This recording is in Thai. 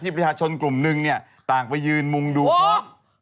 ที่ปริศาทชนกลุ่มหนึ่งนึงตามไปยืนมุมดูพร้อม